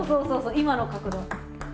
今の角度。